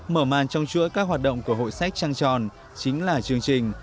mở màn trong chuỗi các hoạt động của hội sách trăng tròn chính là chương trình